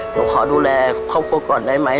หนูขอดูแลครอบครัวก่อนได้ไหม